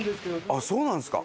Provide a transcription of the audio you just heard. ああそうなんですか。